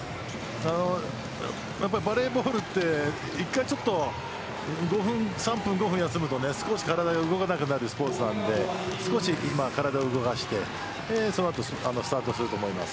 バレーボールって１回、５分、３分休むと体が動かなくなるスポーツなので今、体を動かしてその後、スタートすると思います。